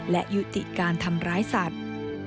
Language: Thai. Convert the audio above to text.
และยุติการทำร้ายสัตว์